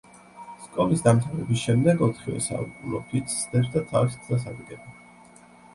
სკოლის დამთავრების შემდეგ ოთხივე საუკუნო ფიცს დებს და თავის გზას ადგება.